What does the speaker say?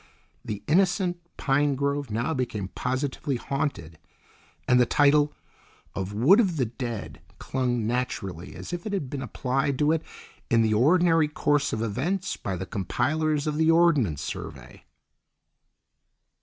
The innocent pine grove now became positively haunted, and the title of "Wood of the Dead" clung naturally as if it had been applied to it in the ordinary course of events by the compilers of the Ordnance Survey.